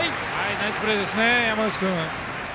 ナイスプレーですね山口君。